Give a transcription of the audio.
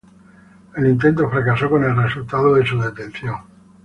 El intento fracasó, con el resultado de su detención.